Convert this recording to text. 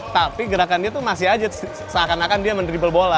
tapi gerakan dia itu masih aja seakan akan dia men dribble bola